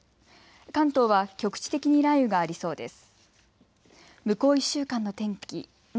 関東は局地的に雷雨がありそうです。